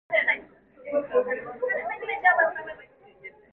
點解你仲咁堅持幫手錄音？